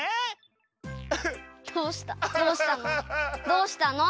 どうしたの？